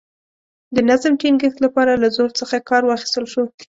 د نظم ټینګښت لپاره له زور څخه کار واخیستل شو.